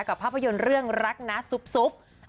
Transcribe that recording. ภาพยนตร์เรื่องรักน้าซุป